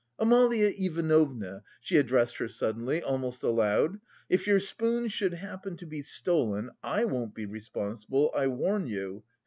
Amalia Ivanovna!" she addressed her suddenly, almost aloud, "if your spoons should happen to be stolen, I won't be responsible, I warn you!